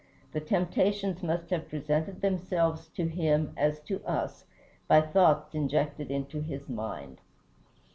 The temptations must have presented themselves to him, as to us, by thoughts injected into his mind.